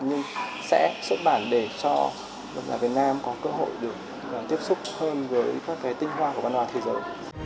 nhưng sẽ xuất bản để cho độc giả việt nam có cơ hội được tiếp xúc hơn với các cái tinh hoa của văn hóa thế giới